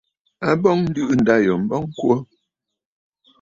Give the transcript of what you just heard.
A bɔŋ ǹdɨ̀ʼɨ ndâ yò m̀bɔŋ kwo.